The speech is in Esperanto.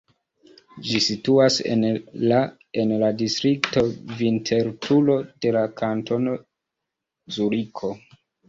Ĝi situas en la en la distrikto Vinterturo de la Kantono Zuriko.